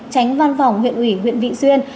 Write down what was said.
tránh văn phòng huyện ủy huyện vị xuyên